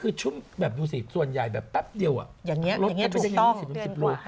คือดูสิส่วนใหญ่แบบแป๊บเดียวรสไม่ใช่อีก๑๐๑๐กว่า